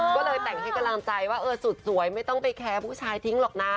ก็เลยแต่งให้กำลังใจว่าเออสุดสวยไม่ต้องไปแคร์ผู้ชายทิ้งหรอกนะ